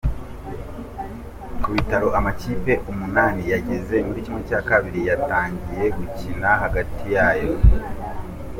Ku ikubitiro amakipe umunani yageze muri ½ yatangiye gukina hagati yayo.